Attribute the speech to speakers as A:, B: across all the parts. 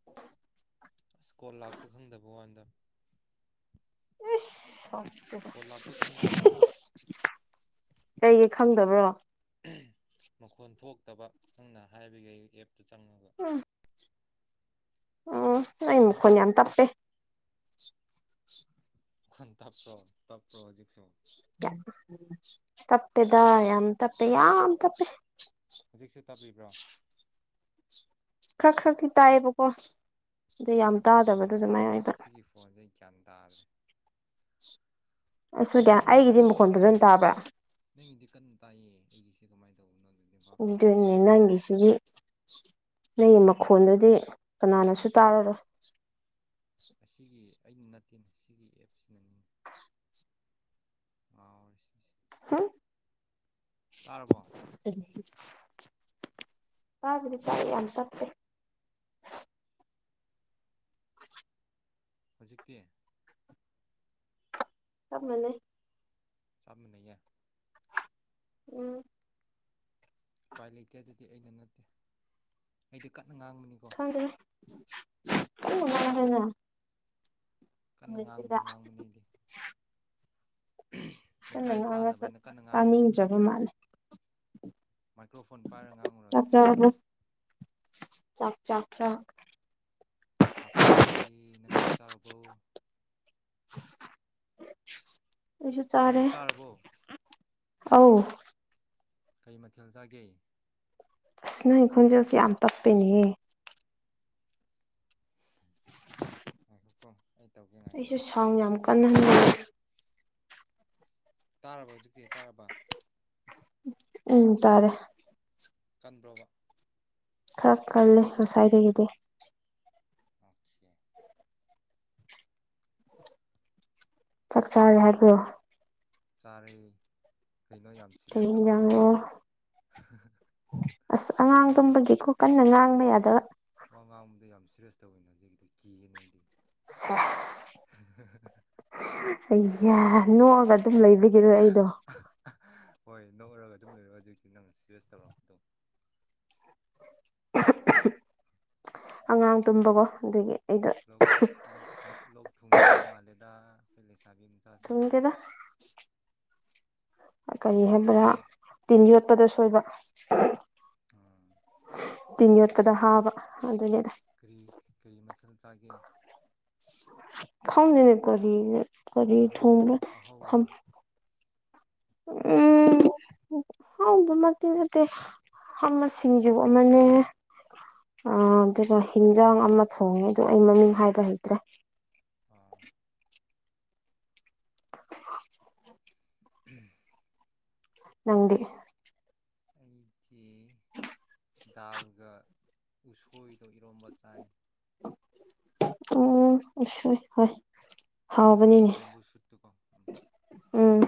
A: [inaudible]
B: ꯑꯁ ꯀꯣꯜ ꯂꯥꯛꯄ ꯈꯪꯗꯕ ꯋꯥꯅꯤꯗ
A: ꯏꯎ
B: ꯀꯣꯜ ꯂꯥꯛꯄ ꯈꯪꯗꯦꯕ
A: [unintelligible] ꯀꯩꯒꯤ ꯈꯪꯗꯕ꯭ꯔꯣ
B: ꯎꯨꯍ ꯃꯈꯣꯟ ꯊꯣꯛꯇꯕ ꯅꯪꯅ ꯍꯥꯏꯕꯒꯤ ꯑꯩ ꯑꯦꯞꯇ ꯆꯪꯉꯨꯕ
A: ꯎꯝ ꯎꯝ ꯑꯩ ꯃꯈꯣꯟ ꯌꯥꯝ ꯇꯞꯄꯦ
B: ꯈꯪꯟ ꯇꯞꯄ꯭ꯔꯣ ꯇꯞ꯭ꯄꯔꯣ ꯍꯧꯖꯤꯛꯁꯨ
A: ꯇꯞꯄꯦꯗ ꯌꯥꯝ ꯇꯞꯄꯦ ꯌꯥꯝ ꯇꯞꯄꯦ
B: ꯍꯧꯖꯤꯛꯁꯨ ꯇꯞꯔꯤꯕ꯭ꯔꯣ
A: ꯈꯔ ꯈꯔꯗꯤ ꯇꯥꯏꯌꯦꯕꯀꯣ ꯑꯗꯨ ꯌꯥꯝ
B: ꯑꯁ ꯀꯃꯥꯏꯅ
A: ꯇꯥꯗꯕꯗꯣ
B: ꯇꯧꯕꯅꯣ ꯁꯤꯒꯤ
A: ꯑꯗꯨꯃꯥꯏꯅ ꯑꯣꯏꯕ
B: ꯁꯤꯒꯤ ꯐꯣꯟꯁꯦ ꯑꯩ ꯒ꯭ꯌꯥꯟ ꯇꯥꯗ꯭ꯔꯦ
A: ꯑꯩꯁꯨ
B: ꯒ꯭ꯌꯥꯟ
A: ꯑꯩꯒꯤꯗꯤ
B: ꯇꯥꯗ꯭ꯔꯦ
A: ꯃꯈꯣꯟ ꯐꯖꯅ
B: ꯀꯔꯤ
A: ꯇꯥꯕ꯭ꯔꯥ
B: ꯅꯪꯒꯤꯗꯤ ꯀꯟꯅ ꯇꯥꯏꯌꯦ ꯑꯩꯒꯤꯁꯦ ꯀꯃꯥꯏꯅ ꯇꯧꯕꯅꯣ ꯑꯗꯨꯗꯤ ꯚꯥꯞ ꯇꯥꯗ꯭ꯔꯦ
A: ꯑꯗꯨꯅꯤ ꯅꯪꯒꯤꯁꯤꯗꯤ ꯅꯪꯒꯤ ꯃꯈꯣꯟꯗꯨꯗꯤ ꯀꯅꯥꯅꯁꯨ ꯇꯥꯔꯔꯣꯏ
B: ꯑꯁꯤꯒꯤ ꯑꯩꯅ ꯅꯠꯇꯦꯅꯦ ꯁꯤꯒꯤ ꯑꯦꯞꯁꯤꯅꯅꯤ ꯉꯥꯎꯔꯁꯤꯁꯤ
A: ꯍꯨꯝ
B: ꯇꯥꯔꯕꯣ
A: [unintelligible] ꯇꯥꯕꯨꯗꯤ ꯇꯥꯏ ꯌꯥꯝ ꯇꯞꯄꯦ
B: ꯍꯧꯖꯤꯛꯇꯤ
A: ꯆꯞ ꯃꯥꯟꯅꯩ
B: ꯆꯞ ꯃꯥꯟꯅꯩꯌꯦ
A: ꯎꯨꯝ
B: ꯎꯄꯥꯏ ꯂꯩꯇꯦ ꯑꯗꯨꯗꯤ ꯑꯩꯅ ꯅꯠꯇꯦ ꯑꯩꯗꯤ ꯀꯟꯅ ꯉꯥꯡꯕꯅꯤ
A: ꯈꯪꯗꯦ ꯇꯞꯅ [unintelligible]
B: ꯀꯟꯅ ꯉꯥꯡꯕꯗꯤ ꯉꯥꯡꯕꯅꯤ ꯑꯩꯗꯤ ꯎꯨꯝꯍ ꯂꯩꯀꯥꯏ ꯇꯥꯅꯕ ꯑꯩꯅ ꯀꯟꯅ ꯉꯥꯡꯕꯅꯤ
A: ꯇꯕ ꯃꯥꯜꯂꯦ
B: ꯃꯥꯏꯀ꯭ꯔꯣꯐꯣꯟ ꯄꯥꯏꯔꯒ ꯉꯥꯡꯉꯨꯔꯣ
A: ꯆꯥꯛ
B: ꯑꯗꯨꯗꯤ
A: ꯆꯥꯔꯕꯣ ꯆꯥꯛ ꯆꯥꯛ ꯆꯥꯛ
B: ꯆꯥꯛ ꯆꯥꯈ꯭ꯔꯦ ꯅꯪꯗꯤ ꯆꯥꯔꯕꯣ
A: ꯑꯩꯁꯨ ꯆꯥꯔꯦ
B: ꯅꯪꯗꯤ ꯆꯥꯔꯕꯣ
A: ꯑꯧ
B: ꯀꯩ ꯃꯊꯦꯜ ꯆꯥꯒꯦ
A: ꯑꯁ ꯅꯪꯒꯤ ꯈꯣꯟꯖꯦꯜꯁꯦ ꯌꯥꯝ ꯇꯞꯄꯦꯅꯦꯍꯦ
B: ꯉꯥꯏꯈꯣꯀꯣ ꯑꯩ ꯇꯧꯒꯦ ꯉꯥꯏꯈꯣ ꯉꯥꯏꯈꯣ
A: ꯄꯟ
B: ꯇꯥꯔꯕ ꯍꯧꯖꯤꯛꯇꯤ ꯇꯥꯔꯕ
A: ꯎ ꯇꯥꯔꯦ
B: ꯆꯟꯕ꯭ꯔꯣꯕ
A: ꯈꯔ ꯈꯜꯜꯂꯤ ꯉꯁꯥꯏꯗꯒꯤꯗꯤ
B: ꯑꯣꯁꯦ
A: ꯆꯥꯛ ꯆꯥꯔꯦ ꯍꯥꯏꯕ꯭ꯔꯣ
B: ꯆꯔꯦ ꯀꯩꯅꯣ ꯌꯥꯝ
A: ꯀꯔꯤ
B: ꯁꯤꯔꯤꯌꯁ
A: ꯏꯟꯖꯥꯡꯅꯣ
B: ꯇꯧꯈꯠꯂꯛꯏꯗꯨꯅ
A: ꯑꯁ ꯑꯉꯥꯡ
B: ꯋꯥ ꯉꯥꯡꯕꯗ
A: ꯇꯨꯝꯕꯒꯤꯀꯣ ꯀꯟꯅ ꯉꯥꯡꯕ ꯌꯥꯗꯕ
B: ꯋꯥꯃꯥꯡꯕꯗ ꯌꯥꯝ ꯁꯤꯔꯤꯌꯁ ꯇꯧꯋꯤꯅ ꯍꯟꯖꯤꯛꯀꯤꯗꯤ ꯀꯤꯑꯦꯅ ꯑꯩꯗꯤ
A: ꯑꯩꯍ ꯅꯣꯛꯑꯒ ꯑꯗꯨꯝ ꯂꯩꯕꯤꯒꯤꯔꯣ ꯑꯩꯗꯣ
B: ꯍꯣꯏ ꯅꯣꯛꯑꯒ ꯑꯗꯨꯝ ꯂꯩꯔꯣ ꯍꯧꯖꯤꯛꯇꯤ ꯅꯪ ꯁꯦꯁ ꯇꯧꯔꯛꯄꯗꯣ
A: ꯑꯉꯥꯡ ꯇꯨꯝꯕꯀꯣ
B: ꯑꯁ
A: ꯑꯗꯨꯒꯤ ꯑꯩꯗꯣ
B: ꯂꯣꯛ ꯂꯣꯛ ꯂꯣꯛ ꯊꯨꯡꯈ꯭ꯔꯕ ꯃꯥꯜꯂꯦꯗ ꯑꯩꯈꯣꯏ ꯂꯩꯁꯥꯕꯤ ꯃꯆꯥꯁꯦ
A: ꯊꯨꯡꯗꯦꯗ ꯀꯔꯤ ꯍꯥꯏꯕ꯭ꯔꯥ ꯇꯤꯟ ꯌꯣꯠꯄꯗ ꯁꯣꯏꯕ
B: ꯑꯥ
A: ꯇꯤꯟ ꯌꯣꯠꯄꯗ ꯍꯥꯕ ꯑꯗꯨꯅꯤꯗ
B: ꯀꯔꯤ ꯀꯔꯤ ꯃꯊꯦꯜ ꯆꯥꯒꯦ
A: ꯈꯡꯗꯦꯅꯦ ꯀꯔꯤ ꯀꯔꯤ
B: ꯑꯍꯧꯕ꯭ꯔꯣ
A: ꯊꯣꯡꯕꯔꯥ
B: ꯑꯍꯧꯕ꯭ꯔꯣ
A: ꯑ ꯍꯥꯎꯗꯃꯤ ꯅꯠꯇꯦ ꯑꯃ ꯁꯤꯡꯖꯨ ꯑꯃꯅꯦ ꯑ
B: ꯎꯝ
A: ꯑꯗꯨꯒ ꯍꯤꯟꯖꯥꯡ ꯑꯃ ꯊꯣꯡꯉꯦ ꯑꯗꯣ ꯑꯩ ꯃꯃꯤꯡ ꯍꯥꯏꯕ ꯍꯩꯇ꯭ꯔꯦ
B: ꯑꯥ
A: [inaudible]
B: ꯎꯝ
A: ꯅꯪꯗꯤ
B: ꯑꯩꯗꯤ ꯗꯥꯜꯒ ꯎꯁꯣꯏꯗꯣ ꯏꯔꯣꯝꯕ ꯆꯥꯏ
A: ꯎꯝ ꯑꯣꯏ ꯍꯣꯏ
B: ꯎꯁꯣꯏꯗꯣ
A: ꯍꯥꯎꯕꯅꯤꯅꯦ
B: ꯕꯦꯝꯕꯨ ꯁꯨꯠꯇꯨꯀꯣ ꯎꯝ
A: ꯎꯝ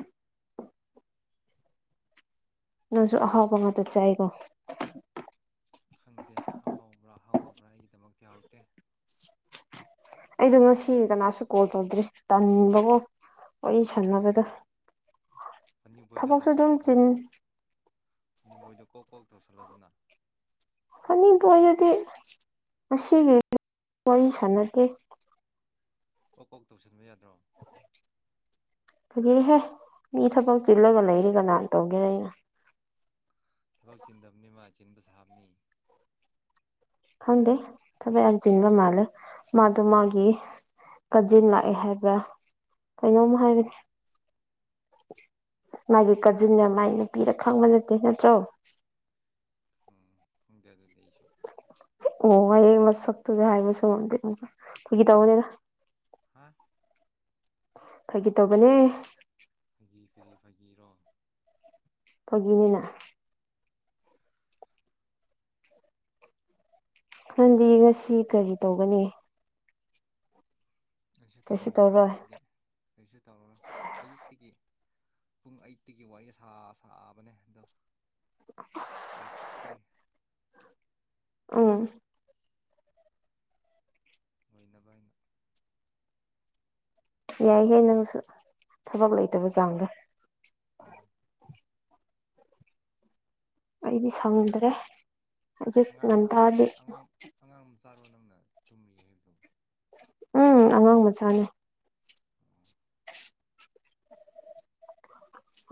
A: ꯅꯪꯁꯨ ꯑꯍꯥꯎꯕ ꯉꯥꯛꯇ ꯆꯥꯏꯀꯣ
B: ꯈꯪꯗꯦ ꯑꯍꯥꯎꯕ꯭ꯔꯥ ꯑꯍꯥꯎꯗꯕ꯭ꯔꯥ ꯑꯩꯒꯤꯗꯃꯛꯇꯤ ꯍꯥꯎꯇꯦ
A: ꯑꯩꯗꯣ ꯉꯁꯤ ꯀꯅꯥꯁꯨ ꯀꯣꯜ ꯇꯧꯗ꯭ꯔꯤ ꯇꯟꯕꯕꯣ ꯋꯥꯔꯤ ꯁꯥꯟꯅꯕꯗ
B: ꯀꯔꯤꯒꯤꯔꯣ ꯐꯅꯤꯕꯣꯏꯗ
A: ꯊꯕꯛꯁꯨ ꯑꯗꯨꯝ ꯆꯤꯟ
B: ꯅꯤꯝꯕꯣꯏꯗꯣ ꯀꯣꯛ ꯀꯣꯛ ꯇꯧꯁꯜꯂꯗꯨꯅ
A: ꯐꯅꯤꯄꯨꯔꯣꯏꯗꯗꯤ ꯉꯁꯤꯒꯤ ꯋꯥꯔꯤ ꯁꯥꯟꯅꯗꯦ
B: ꯀꯣꯛ ꯀꯣꯛ ꯇꯧꯁꯟꯕ ꯌꯥꯗ꯭ꯔꯣ
A: ꯀꯔꯤꯔꯍꯦ ꯃꯤ ꯊꯕꯛ ꯆꯤꯜꯂꯒ ꯂꯩꯔꯤ ꯀꯅꯥ ꯇꯧꯒꯦꯔ ꯑꯩꯅ
B: ꯊꯕꯛ ꯆꯤꯟꯗꯕꯅꯤ ꯃꯥ ꯆꯤꯟꯕ ꯁꯥꯕꯅꯤ
A: ꯈꯪꯗꯦ ꯊꯕꯛ ꯍꯖꯤꯟꯕ ꯃꯥꯜꯂꯦ ꯃꯥꯗꯣ ꯃꯥꯒꯤ ꯀꯥꯖꯤꯟ ꯂꯥꯛꯑꯦ ꯍꯥꯏꯕ꯭ꯔꯥ ꯀꯩꯅꯣꯝ
B: ꯑꯣ
A: ꯍꯥꯏꯕꯅꯤ ꯃꯥꯒꯤ ꯀꯖꯤꯟꯅ ꯃꯥꯏ ꯅꯨꯄꯤꯔ ꯈꯪꯕ ꯅꯠꯇꯦ ꯅꯠꯇ꯭ꯔꯣ
B: ꯎꯝ ꯈꯪꯗꯦ ꯑꯗꯨꯗꯤ ꯑꯩ ꯁꯨꯝ
A: ꯑꯣ ꯍꯌꯦꯡ ꯃꯁꯛꯇꯨꯁꯨ ꯍꯥꯏꯕꯁꯨ ꯉꯝꯗꯧ ꯐꯥꯒꯤ ꯇꯧꯕꯅꯤꯅ
B: ꯍꯥꯥ
A: ꯐꯥꯒꯤ ꯇꯧꯕꯅꯦ꯫
B: ꯐꯥꯒꯤ ꯐꯥꯒꯤ ꯐꯥꯒꯤꯔꯣ?
A: ꯐꯒꯤꯅꯤꯅ꯫ ꯅꯪꯗꯤ ꯉꯁꯤ ꯀꯔꯤ ꯇꯧꯒꯅꯤ?
B: ꯑꯩꯁꯨ
A: ꯀꯩꯁꯨ
B: ꯊꯕꯛ ꯂꯩꯇꯦ
A: ꯇꯧꯔꯣꯏ
B: ꯉꯁꯤꯗꯤ ꯀꯔꯤꯁꯨ ꯇꯧꯔꯔꯣꯏ ꯑꯁ ꯑꯌꯨꯛꯇꯤꯒꯤ ꯄꯨꯡ ꯑꯩꯌꯠꯇꯒꯤ ꯋꯥꯔꯤ ꯁꯥ ꯁꯥꯕꯅꯦ ꯑꯗꯣ ꯇꯥꯛꯁꯁꯦ
A: ꯎꯝ
B: ꯑꯣꯏꯅꯕꯅ
A: ꯌꯥꯏꯍꯦ ꯅꯪꯁꯨ ꯊꯕꯛ ꯂꯩꯇꯕ ꯆꯥꯡꯗꯣ꯫
B: ꯎꯝ
A: ꯑꯩꯗꯤ ꯁꯪꯗ꯭ꯔꯦ ꯑꯩꯌꯨꯛ
B: ꯑꯉꯥꯡ ꯃꯆꯥ
A: ꯉꯟꯇꯥꯗꯤ꯫
B: ꯑꯉꯥꯡ ꯑꯉꯥꯡ ꯑꯃ ꯆꯥꯔꯣ ꯅꯪꯅ ꯇꯨꯝꯔꯤ ꯍꯥꯏꯕꯗꯣ
A: ꯎꯝ ꯑꯉꯥꯡ ꯃꯆꯥꯅꯦ꯫
B: ꯑꯣ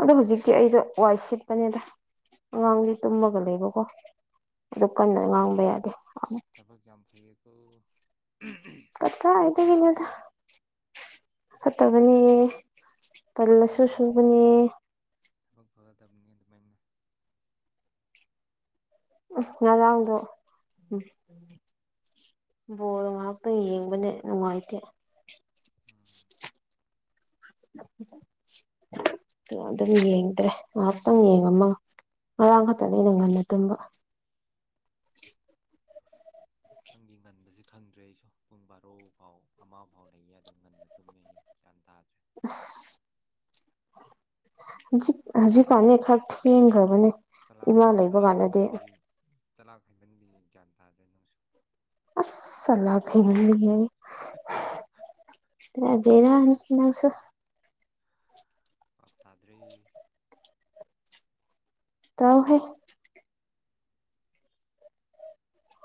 A: ꯑꯗꯣ ꯍꯧꯖꯤꯛꯇꯤ ꯑꯩꯗꯣ ꯋꯥꯏ ꯁꯤꯠꯄꯅꯦꯗ ꯑꯉꯥꯡꯗꯤ
B: ꯑꯣ
A: ꯇꯨꯝꯃꯒ ꯂꯩꯕꯀꯣ꯫ ꯑꯗꯨ ꯀꯟꯅ
B: ꯊꯕꯛ
A: ꯉꯥꯡꯕ
B: ꯌꯥꯝ
A: ꯌꯥꯗꯦ
B: ꯊꯕꯛ ꯌꯥꯝ ꯐꯌꯦꯀꯣ꯫ [unintelligible] ꯊꯕꯛ ꯌꯥꯝ
A: ꯀꯗꯥꯏꯗꯒꯤꯅꯣꯗ
B: ꯐꯩꯌꯦ꯫
A: ꯐꯠꯇꯕꯅꯦ꯫
B: ꯅꯨꯄꯤ
A: ꯇꯜꯂꯁꯨ
B: ꯃꯆꯥꯗꯤ
A: ꯁꯨꯕꯅꯦ
B: ꯊꯕꯛ ꯐꯒꯗꯕꯅꯤ ꯑꯗꯨꯃꯥꯏꯅ꯫
A: ꯎꯝ ꯉꯔꯥꯡꯗꯣ ꯎꯝ ꯕꯣꯜ ꯉꯍꯥꯛꯇꯪ ꯌꯦꯡꯕꯅꯦ ꯅꯨꯡꯉꯥꯏꯇꯦ꯫
B: ꯎꯝ꯫
A: ꯑꯗꯨꯝ ꯌꯦꯡꯗ꯭ꯔꯦ ꯉꯥꯏꯍꯥꯛꯇꯪ ꯌꯦꯡꯉꯝꯃꯒ꯫ ꯉꯔꯥꯡ ꯈꯛꯇꯅꯦ ꯑꯩꯅ ꯉꯟꯅ ꯇꯨꯝꯕ꯫ [inaudible]
B: ꯅꯪꯒꯤ ꯉꯟꯕꯁꯦ ꯈꯪꯗ꯭ꯔꯦ ꯑꯩꯁꯨ ꯄꯨꯡ ꯕꯥꯔꯣ ꯐꯥꯎ ꯑꯃ ꯐꯥꯎ ꯂꯩꯌꯦ ꯑꯗꯨꯝ ꯉꯟꯅ ꯇꯨꯝꯃꯦꯌꯦ꯫ ꯒꯌꯥꯟ ꯇꯥꯗ꯭ꯔꯦ
A: ꯑꯁ ꯍꯧꯖꯤꯛ ꯍꯧꯖꯤꯛꯀꯥꯟꯗꯤ ꯈꯔ ꯊꯦꯡꯈ꯭ꯔꯕꯅꯦ꯫
B: ꯆꯂꯥꯛ
A: ꯏꯃꯥ ꯂꯩꯕ
B: ꯆꯂꯥꯛ
A: ꯀꯥꯟꯗꯗꯤ
B: ꯍꯩꯃꯟꯕꯒꯤ ꯆꯂꯥꯛ ꯍꯩꯃꯟꯕꯒꯤ ꯒ꯭ꯌꯥꯟ ꯇꯥꯗ꯭ꯔꯦ ꯅꯪꯁꯨ꯫
A: ꯑꯁ ꯁꯂꯥꯛ ꯍꯩꯃꯟꯕꯒꯤ ꯍꯥꯏꯌꯦ ꯄꯨꯔꯥ ꯕꯦꯔꯥꯅꯤꯍꯦ ꯅꯪꯁꯨ꯫
B: ꯕꯥꯞ ꯇꯥꯗ꯭ꯔꯦ꯫
A: ꯇꯥꯎ ꯍꯦ꯫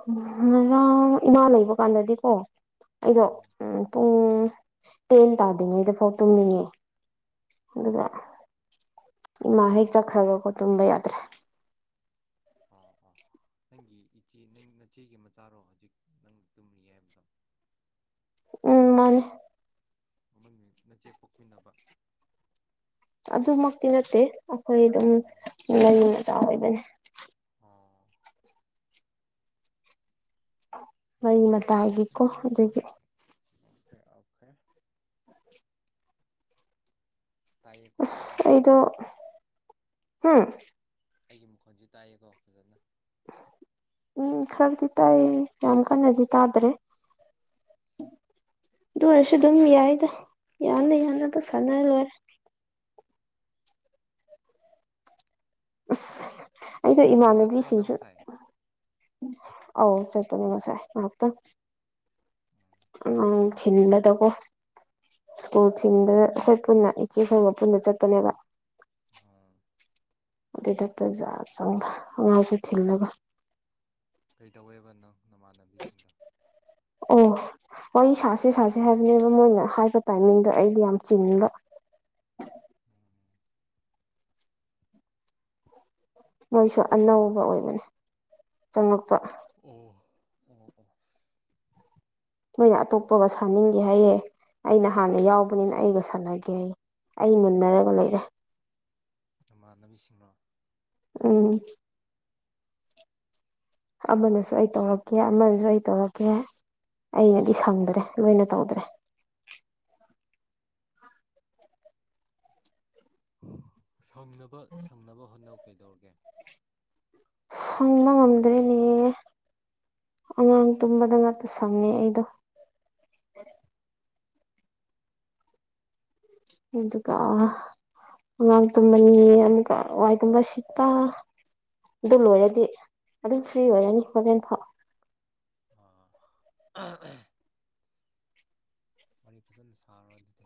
A: ꯎꯝ ꯉꯥꯡ ꯏꯃꯥ ꯂꯩꯕ ꯀꯥꯟꯗꯗꯤꯀꯣ ꯑꯩꯗꯣ ꯎꯝ ꯄꯨꯡ ꯇꯦꯟ ꯇꯥꯗ꯭ꯔꯤꯉꯩꯗꯐꯥꯎ ꯇꯨꯝꯅꯤꯡꯉꯦ꯫ ꯑꯗꯨꯒ
B: ꯑꯥ
A: ꯏꯃꯥ ꯍꯦꯛ ꯆꯠꯈ꯭ꯔꯒꯀꯣ ꯇꯨꯝꯕ ꯌꯥꯗ꯭ꯔꯦ꯫
B: ꯑꯣ ꯑꯣ ꯅꯪꯒꯤ ꯏꯆꯦ ꯅꯪ ꯅꯆꯦꯒꯤ ꯃꯆꯥꯔꯣ ꯍꯧꯖꯤꯛ ꯅꯪ ꯇꯨꯝꯔꯤ ꯍꯥꯏꯕꯗꯣ?
A: ꯎꯝ ꯃꯥꯅꯦ
B: [unintelligible] ꯅꯆꯦ ꯄꯣꯛꯃꯤꯟꯅꯕ?
A: ꯑꯗꯨꯃꯛꯇꯤ ꯅꯠꯇꯦ ꯑꯩꯈꯣꯏ ꯑꯗꯨꯝ
B: ꯑꯣ
A: ꯃꯔꯤ ꯃꯇꯥꯆꯥ ꯑꯣꯏꯕꯅꯦ꯫
B: ꯑꯣ꯫
A: ꯃꯔꯤ ꯃꯇꯥꯒꯤꯀꯣ ꯑꯗꯨꯒꯤ꯫
B: Okay okay. ꯇꯥꯏꯌꯦꯀꯣ ꯑꯩꯒꯤ
A: ꯑꯁ ꯑꯩꯗꯣ
B: ꯃꯈꯣꯜꯁꯦ꯫
A: ꯍꯝ
B: ꯑꯩꯒꯤ ꯃꯈꯣꯟꯁꯨ ꯇꯥꯏꯌꯦꯀꯣ ꯐꯖꯅ
A: ꯎꯝ ꯈꯔꯕꯨꯗꯤ ꯇꯥꯏꯌꯦ ꯌꯥꯝ ꯀꯟꯅꯗꯤ ꯇꯥꯗ꯭ꯔꯦ ꯑꯗꯨ ꯑꯣꯏꯔꯁꯨ
B: ꯑꯣꯀꯦ
A: ꯑꯗꯨꯝ ꯌꯥꯏꯗ ꯌꯥꯅ ꯌꯥꯅꯕ
B: ꯎꯝ
A: ꯁꯥꯟꯅ ꯂꯣꯏꯔꯦ ꯑꯁ ꯑꯩꯗꯣ
B: ꯕꯖꯥꯔ ꯆꯠꯄ꯭ꯔꯣ ꯅꯪ
A: ꯏꯃꯥꯟꯅꯕꯤꯁꯤꯡꯁꯨ
B: ꯉꯁꯥꯏ
A: ꯑꯧ ꯆꯠꯄꯅꯤ ꯉꯁꯥꯏ ꯉꯍꯥꯛꯇꯪ ꯎꯝ ꯊꯤꯟꯕꯗꯀꯣ ꯁ꯭ꯀꯨꯜ ꯊꯤꯟꯕꯗ ꯑꯩꯈꯣꯏ ꯄꯨꯟꯅ ꯏꯆꯦ ꯈꯣꯏꯒ ꯄꯨꯟꯅ ꯆꯠꯄꯅꯦꯕ
B: [unintelligible]
A: ꯑꯗꯨꯗ ꯕꯖꯥꯔ ꯆꯪꯕ ꯑꯉꯥꯡꯁꯨ ꯊꯤꯜꯂꯒ
B: ꯀꯩꯗꯧꯋꯦꯕꯅꯪ ꯅꯃꯥꯟꯅꯕꯤꯁꯤꯡꯗꯣ
A: ꯑꯣ ꯋꯥꯔꯤ ꯁꯥꯁꯦ ꯁꯥꯁꯦ ꯍꯥꯏꯕꯅꯦꯕ ꯃꯣꯏꯅ ꯍꯥꯏꯕ ꯇꯥꯏꯃꯤꯡꯗꯣ ꯑꯩꯗꯤ ꯌꯥꯝ ꯆꯤꯟꯕ
B: ꯎꯝ
A: ꯃꯣꯏꯁꯨ ꯑꯅꯧꯕ ꯑꯣꯏꯕꯅꯦ ꯆꯪꯉꯛꯄ
B: ꯑꯣ ꯑꯣ ꯑꯣ
A: ꯃꯣꯏꯅ ꯑꯇꯣꯞꯄꯒ ꯁꯥꯥꯟꯅꯤꯡꯗꯦ ꯍꯥꯏꯌꯦ ꯑꯩꯅ ꯍꯥꯟꯅ ꯌꯥꯎꯕꯅꯤꯅ ꯑꯩꯒ ꯁꯥꯟꯅꯒꯦꯌꯦ ꯑꯩ ꯃꯨꯟꯅꯔꯒ ꯂꯩꯔꯦ
B: ꯅꯃꯥꯟꯅꯕꯤꯁꯤꯡꯔꯣ
A: ꯎꯝ ꯑꯃꯅꯁꯨ ꯑꯩ ꯇꯧꯔꯛꯀꯦ ꯑꯃꯅꯁꯨ ꯑꯩ ꯇꯧꯔꯛꯀꯦ ꯑꯩꯅꯗꯤ ꯁꯪꯗ꯭ꯔꯦ ꯂꯣꯏꯅ ꯇꯧꯗ꯭ꯔꯦ
B: ꯁꯪꯅꯕ ꯁꯪꯅꯕ ꯍꯣꯠꯅꯧ ꯀꯩꯗꯧꯔꯒꯦ
A: ꯁꯪꯕ
B: ꯁꯪꯅꯕ
A: ꯉꯝꯗ꯭ꯔꯦꯅꯦ
B: ꯍꯣꯠꯅꯧ
A: ꯑꯉꯥꯡ ꯇꯨꯝꯕꯗ ꯉꯥꯛꯇ ꯁꯪꯉꯦ ꯑꯩꯗꯣ ꯑꯗꯨꯀꯥ ꯑꯥ ꯑꯉꯥꯡ ꯇꯨꯝꯃꯅꯤ ꯑꯃꯨꯛꯀ ꯋꯥꯏ ꯀꯨꯝꯕ ꯁꯤꯠꯄ ꯑꯗꯨ ꯂꯣꯏꯔꯗꯤ ꯑꯗꯨꯝ ꯐ꯭ꯔꯤ ꯑꯣꯏꯔꯅꯤ ꯍꯣꯔꯦꯟ ꯐꯥꯎ
B: [unintelligible] ꯋꯥꯔꯤ ꯐꯖꯅ ꯁꯥꯔꯣ ꯑꯗꯨꯗꯤ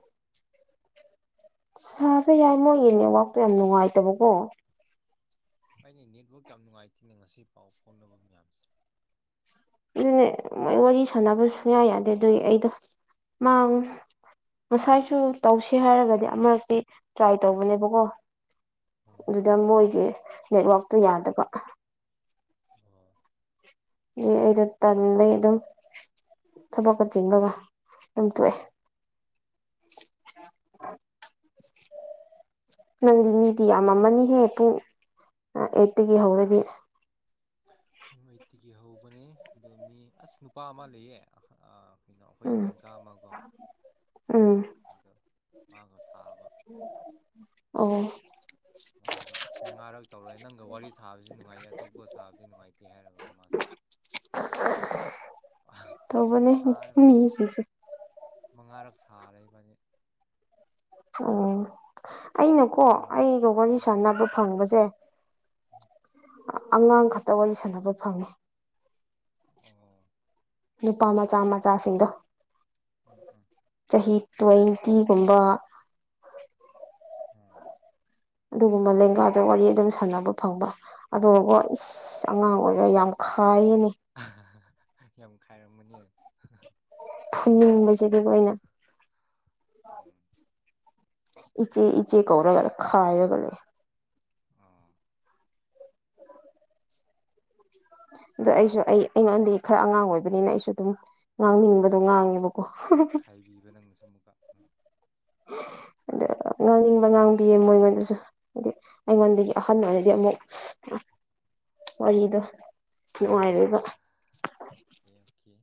A: ꯁꯥꯕ ꯌꯥꯏ ꯃꯣꯏꯒꯤ ꯅꯦꯠꯋꯥꯛꯇꯣ ꯌꯥꯝ ꯅꯨꯡꯉꯥꯏꯇꯕꯀꯣ
B: ꯍꯥꯏꯅꯦ ꯅꯦꯠꯋꯥꯛ ꯌꯥꯝ ꯅꯨꯡꯉꯥꯏꯇꯦꯅꯦ ꯉꯁꯤ ꯄꯥꯎ ꯐꯥꯎꯅꯕ ꯃꯌꯥꯝꯁꯦ
A: ꯑꯗꯨꯅꯦ ꯃꯣꯏ ꯋꯥꯔꯤ ꯁꯥꯟꯅꯕ ꯁꯨꯡꯌꯥ ꯌꯥꯗꯦ ꯑꯗꯨꯒꯤ ꯑꯩꯗꯣ ꯃꯥꯡ ꯉꯁꯥꯏꯁꯨ ꯇꯧꯁꯦ ꯍꯥꯏꯔꯒꯗꯤ ꯑꯃꯔꯛꯇꯤ ꯇ꯭ꯔꯥꯏ ꯇꯧꯕꯅꯦꯕꯀꯣ
B: ꯎꯝ
A: ꯑꯗꯨꯗ ꯃꯣꯏꯒꯤ ꯅꯦꯠꯋꯥꯛꯇꯨ ꯌꯥꯗꯕ
B: [unintelligible]
A: ꯑꯗꯩ ꯑꯩꯗꯣ ꯇꯟꯕꯒꯤ ꯑꯗꯨꯝ ꯊꯕꯛꯀ ꯆꯤꯟꯕꯒ ꯑꯗꯨꯝ ꯇꯣꯛꯑꯦ [inaudible] ꯅꯪꯗꯤ ꯃꯤꯗꯤ ꯌꯥꯝꯃꯝꯃꯅꯤꯍꯦ ꯄꯨꯡ ꯑꯩꯠꯇꯒꯤ ꯍꯧꯔꯗꯤ
B: ꯄꯨꯡ ꯑꯩꯠꯇꯒꯤ ꯍꯧꯕꯅꯦ ꯑꯗꯣ ꯃꯤ ꯑꯁ ꯅꯨꯄꯥ ꯑꯃ ꯂꯩꯌꯦ ꯑꯥ ꯀꯩꯅꯣ ꯑꯩꯈꯣꯏꯒꯤ
A: ꯎꯝ
B: ꯂꯦꯡꯀꯥ ꯑꯃꯀꯣ
A: ꯎꯝ
B: ꯑꯗꯣ ꯃꯥꯒ ꯁꯥꯕ
A: ꯑꯣ
B: ꯃꯥꯒ ꯑꯁ ꯃꯉꯥꯔꯛ ꯇꯧꯔꯦ ꯅꯪꯒ ꯋꯥꯔꯤ ꯁꯥꯕꯁꯨ ꯅꯨꯡꯉꯥꯏꯌꯦ ꯑꯇꯣꯞꯄꯒ ꯁꯥꯕꯗꯤ ꯅꯨꯡꯉꯥꯏꯇꯦ ꯍꯥꯏꯔꯒꯀꯣ ꯃꯥꯁꯨ ꯐꯖꯅ
A: ꯇꯧꯕꯅꯦ
B: ꯁꯥꯔꯦ
A: ꯃꯤꯁꯤꯡꯁꯦ
B: ꯃꯉꯥꯔꯛ ꯁꯥꯔꯦ ꯏꯕꯥꯟꯅꯤ
A: ꯎꯝ ꯑꯩꯅꯀꯣ
B: ꯃꯥꯅ
A: ꯑꯩꯒ ꯋꯥꯔꯤ
B: ꯎꯝ
A: ꯁꯥꯟꯅꯕ ꯐꯪꯕꯖꯦ
B: [inaudible]
A: ꯑꯥ ꯑꯉꯥꯡ ꯈꯛꯇ ꯋꯥꯔꯤ ꯁꯥꯟꯅꯕ ꯐꯪꯉꯦ
B: ꯑꯣ
A: ꯅꯨꯄꯥ ꯃꯆꯥ ꯃꯆꯥꯁꯤꯡꯗꯣ
B: ꯎꯝ ꯎꯝ
A: ꯆꯍꯤ
B: ꯉꯥꯏ
A: ꯇ꯭ꯋꯦꯟꯇꯤꯒꯨꯝꯕ
B: ꯑꯝ
A: ꯑꯗꯨꯒꯨꯝꯕ ꯂꯦꯡꯒꯥꯗ ꯋꯥꯔꯤ ꯑꯗꯨꯝ ꯁꯥꯟꯅꯕ ꯐꯪꯕ ꯑꯗꯨꯒꯀꯣ ꯏꯁ ꯑꯁ ꯑꯉꯥꯡ ꯑꯣꯏꯔ ꯌꯥꯝ ꯈꯥꯏꯌꯦꯅꯦ
B: ꯍꯥ ꯍꯥ ꯍꯥ ꯌꯥꯝ ꯈꯥꯏꯔꯝꯒꯥꯅꯤꯌꯦ
A: ꯐꯨꯅꯤꯡꯕꯁꯤꯗꯤꯀꯣ ꯑꯩꯅ
B: ꯎꯝ
A: ꯏꯆꯦ ꯏꯆꯦ ꯀꯧꯔꯒ ꯈꯥꯏꯔꯒ ꯂꯩꯌꯦ
B: ꯑꯥ
A: ꯑꯗꯣ ꯑꯩꯁꯨ ꯑꯩ ꯑꯩꯉꯣꯟꯗ ꯈꯔ ꯑꯉꯥꯡ ꯑꯣꯏꯕꯅꯤꯅ ꯑꯩꯁꯨ ꯑꯗꯨꯝ ꯉꯥꯡꯅꯤꯡꯕꯗꯣ ꯉꯥꯡꯉꯦꯕꯀꯣ ꯍꯥ ꯍꯥ ꯍꯥ
B: ꯆꯩꯕꯤꯕ ꯅꯪꯅꯁꯨ ꯑꯃꯨꯛꯀ [inaudible]
A: ꯑꯗ ꯉꯥꯡꯅꯤꯡꯕ ꯉꯥꯡꯕꯤꯌꯦ ꯃꯣꯏꯉꯣꯟꯗꯁꯨ ꯍꯥꯏꯗꯤ
B: ꯎꯝ
A: ꯑꯩꯉꯣꯟꯗꯒꯤ ꯑꯍꯟ ꯑꯣꯏꯔꯗꯤ ꯑꯃꯨꯛ ꯋꯥꯔꯤꯗꯣ
B: ꯍꯥ ꯍꯥ ꯍꯥ
A: ꯅꯨꯡꯉꯥꯏꯔꯣꯏꯕ
B: ꯑꯣꯀꯦ ꯑꯣꯀꯦ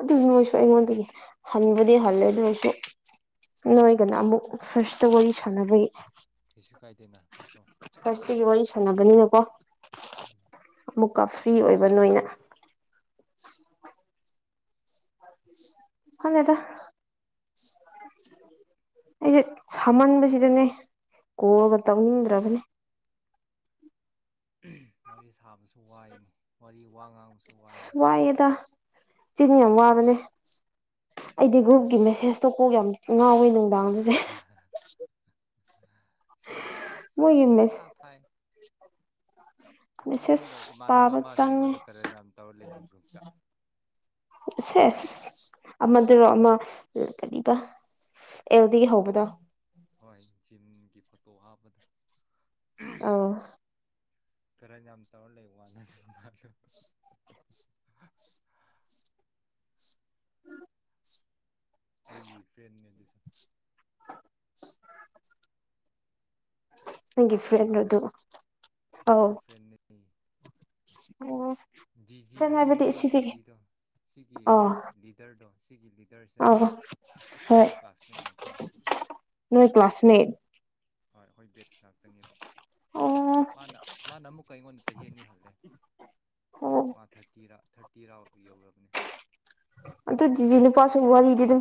A: ꯑꯗꯨ ꯃꯣꯏꯁꯨ ꯑꯩꯉꯣꯟꯗꯒꯤ ꯍꯟꯕꯨꯗꯤ ꯍꯜꯂꯦ ꯑꯗꯨꯑꯣꯏꯁꯨ ꯅꯣꯏꯒꯅ ꯑꯃꯨꯛ ꯐꯥ꯭ꯔꯁꯇ ꯋꯥꯔꯤ ꯁꯥꯟꯅꯕꯒꯤ
B: ꯀꯩꯁꯨ ꯀꯥꯏꯗꯦꯅ ꯅꯠꯇ꯭ꯔꯣ
A: ꯈ꯭ꯋꯥꯁꯇꯒꯤ ꯋꯥꯔꯤ ꯁꯥꯟꯅꯕꯅꯤꯅꯀꯣ
B: ꯎꯝ
A: ꯑꯃꯨꯛꯀ ꯐ꯭ꯔꯤ ꯑꯣꯏꯕ ꯅꯣꯏꯅ ꯈꯪꯗꯦꯗꯥ ꯑꯩꯖꯦ ꯁꯥꯃꯟꯕꯖꯤꯗꯅꯦ ꯀꯣꯜꯒ ꯇꯧꯅꯤꯡꯗ꯭ꯔꯕꯅꯦ
B: ꯎꯍꯥꯝ ꯋꯥꯔꯤ ꯁꯥꯕꯁꯨ ꯋꯥꯏꯅꯦ ꯋꯥꯔꯤ ꯋꯥ ꯉꯥꯡꯕꯁꯨ ꯋꯥꯏꯅꯦ
A: ꯋꯥꯏꯌꯦꯗ ꯆꯤꯟ ꯌꯥꯝ ꯋꯥꯕꯅꯦ
B: ꯁꯤꯅ
A: ꯑꯩꯗꯤ ꯒ꯭ꯔꯨꯞꯀꯤ
B: ꯋꯥꯏꯅꯤ
A: ꯃꯦꯁꯦꯁꯇꯣ ꯀꯣꯛ ꯌꯥꯝ ꯉꯥꯎꯋꯦ ꯅꯨꯡꯗꯥꯡꯗꯤ
B: ꯁꯦꯡꯕ ꯑꯁ
A: ꯃꯣꯏꯒꯤ
B: ꯄꯨꯡꯊꯥ ꯊꯥꯏ
A: ꯃꯦꯁꯦꯁ
B: ꯑꯩꯉꯣꯟꯗ ꯏꯃꯥꯟꯅꯕ
A: ꯄꯥꯕ
B: ꯑꯃꯁꯦ
A: ꯆꯪꯉꯦ
B: ꯑꯩꯉꯣꯟꯗ ꯀꯔꯟ ꯌꯥꯝ ꯇꯧꯔ ꯂꯩꯅꯦ ꯒ꯭ꯔꯨꯞꯇ
A: ꯑ ꯁꯦꯁ ꯑꯃꯗꯨꯔꯣ ꯑꯃ ꯀꯔꯤꯕ ꯑꯦꯜ ꯗꯒꯤ ꯍꯧꯕꯗꯣ
B: ꯍꯣꯏ ꯖꯤꯝꯒꯤ ꯐꯣꯇꯣ ꯍꯥꯞꯄꯗꯣ
A: ꯑꯧ
B: ꯀꯔꯟ ꯌꯥꯝ ꯇꯧꯔ ꯂꯩꯋꯥꯅꯦ ꯑꯗꯨ ꯅꯨꯄꯥꯗꯣ ꯍꯥ ꯍꯥ ꯍꯥ ꯑꯩꯒꯤ ꯐ꯭ꯔꯦꯟꯅꯦ ꯑꯗꯨꯁꯨ
A: [inaudible] [inaudible] ꯐ꯭ꯔꯦꯟꯔꯣ
B: ꯇꯥꯕ꯭ꯔꯣ
A: ꯑꯗꯨ ꯑꯧ
B: ꯑꯩꯒꯤ ꯐ꯭ꯔꯦꯟꯅꯦ
A: ꯑꯣ ꯐ꯭ꯔꯦꯟ
B: ꯗꯤꯖꯤꯗꯣ
A: ꯍꯥꯏꯕꯗꯤ
B: ꯈꯪꯉꯤꯀꯣ
A: ꯁꯤꯒꯤ
B: ꯗꯤꯖꯤꯗꯣ ꯁꯤꯒꯤ
A: ꯑꯧ
B: ꯂꯤꯗꯔꯗꯣ ꯁꯤꯒꯤ ꯂꯤꯗꯔꯁꯦ
A: ꯑꯧ ꯍꯣꯏ
B: ꯑꯩꯈꯣꯏ ꯀ꯭ꯂꯥꯁꯃꯦꯠ ꯉꯥꯛꯇꯅꯤ [inaudible]
A: ꯅꯣꯏ ꯀ꯭ꯂꯥꯁꯃꯦꯠ
B: ꯍꯣꯏ ꯈꯣꯏ ꯕꯦꯠꯁ ꯉꯥꯛꯇꯅꯦꯕ
A: ꯑꯣ
B: ꯃꯥꯅ ꯃꯥꯅ ꯑꯃꯨꯛꯀ ꯑꯩꯉꯣꯟꯗ ꯆꯍꯤ ꯑꯅꯤ ꯍꯜꯂꯦ
A: ꯑꯣ
B: ꯃꯥ ꯊꯥꯔꯇꯤꯔ ꯊꯥꯔꯇꯤꯔꯥ ꯌꯧꯔꯕꯅꯦ
A: ꯑꯗꯨ ꯗꯤꯖꯤ ꯅꯨꯄꯥꯁꯨ ꯋꯥꯔꯤꯗꯤ ꯑꯗꯨꯝ